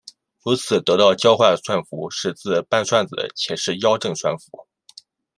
由此得到交换算符是自伴算子且是幺正算符。